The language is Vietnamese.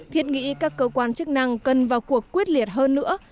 thiết nghĩ các cơ quan chức năng cần vào cuộc quyết liệt hơn nữa